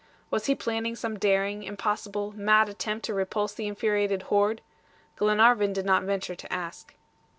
Was he planning some daring, impossible, mad attempt to repulse the infuriated horde? Glenarvan did not venture to ask.